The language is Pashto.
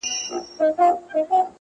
• په دې لاپو هسی ځان کرارومه -